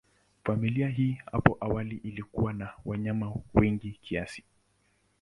Familia hii hapo awali ilikuwa na wanyama wengi kiasi.